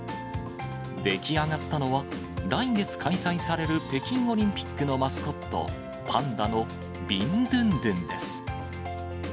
出来上がったのは、来月開催される北京オリンピックのマスコット、パンダのビンドゥンドゥンです。